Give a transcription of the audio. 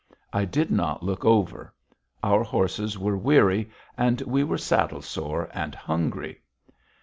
I did not look over. Our horses were weary, and we were saddle sore and hungry.